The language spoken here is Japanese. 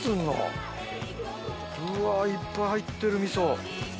うわいっぱい入ってる味噌。